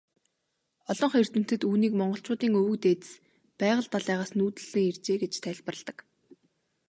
Олонх эрдэмтэд үүнийг монголчуудын өвөг дээдэс Байгал далайгаас нүүдэллэн иржээ гэж тайлбарладаг.